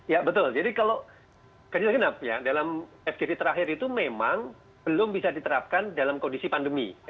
ya betul jadi kalau ganjil genap ya dalam fdv terakhir itu memang belum bisa diterapkan dalam kondisi pandemi